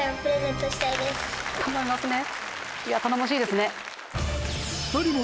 頼みますね。